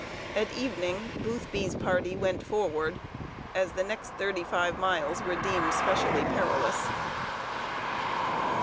At evening, Boothby's party went forward, as the next thirty five miles were deemed specially perilous.